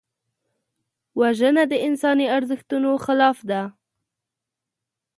وژنه د انساني ارزښتونو خلاف ده